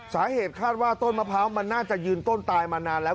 สาเหตุคาดว่าต้นมะพร้าวมันน่าจะยืนต้นตายมานานแล้ว